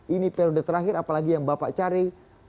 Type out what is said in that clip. ini periode terakhir apalagi yang bapak cari